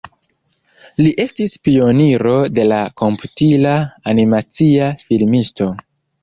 Li estis pioniro de la komputila animacia filmisto.